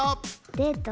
デート？